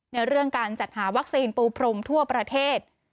ในเรื่องการจัดหาวัคซีนปูพรมทั่วประเทศ